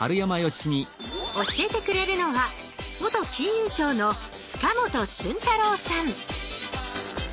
教えてくれるのは元金融庁の塚本俊太郎さん。